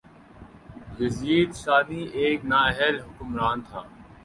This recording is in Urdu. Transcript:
یزید ثانی ایک نااہل حکمران تھا